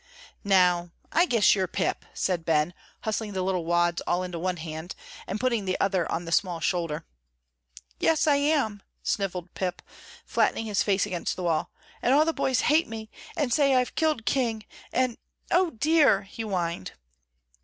"Now, I guess you're Pip," said Ben, hustling the little wads all into one hand, and putting the other on the small shoulder. "Yes, I am," snivelled Pip, flattening his face against the wall, "and all the boys hate me, and say I've killed King, and O dear!" he whined.